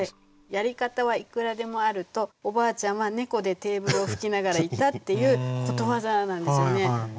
「『やり方はいくらでもある』と、おばあちゃんは猫でテーブルを拭きながら言った」っていうことわざなんですよね。